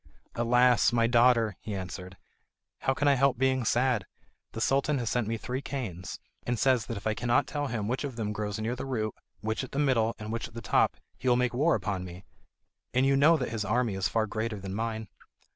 "Alas! my daughter," he answered, "how can I help being sad? The Sultan has sent me three canes, and says that if I cannot tell him which of them grows near the root, which in the middle, and which at the top, he will make war upon me. And you know that his army is far greater than mine."